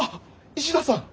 石田さん！